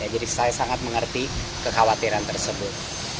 jadi saya sangat mengerti kekhawatiran tersebut